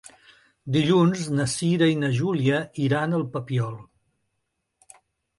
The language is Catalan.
Dilluns na Cira i na Júlia iran al Papiol.